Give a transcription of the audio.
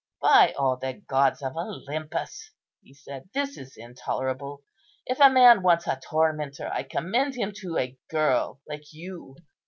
"By all the gods of Olympus," he said, "this is intolerable! If a man wants a tormentor, I commend him to a girl like you.